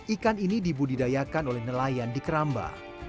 ikan ini dibudidayakan oleh nelayan di keramba